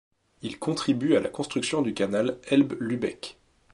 Il contribue à la construction du canal Elbe-Lübeck.